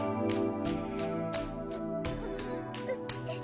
うっ。